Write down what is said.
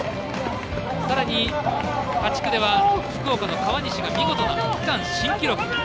さらに、８区では福岡の川西が見事な区間新記録。